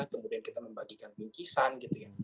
kemudian kita membagikan bingkisan gitu ya